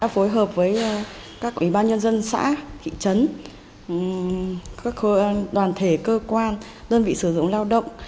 phối hợp với các ủy ban nhân dân xã thị trấn các đoàn thể cơ quan đơn vị sử dụng lao động